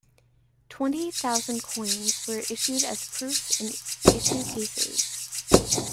Twenty thousand coins were issued as proofs in issue cases.